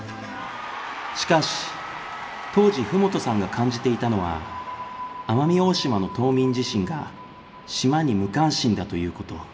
しかし当時麓さんが感じていたのは奄美大島の島民自身が島に無関心だという事